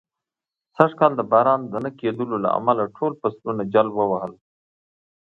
سږ کال د باران د نه کېدلو له امله، ټول فصلونه جل و وهل.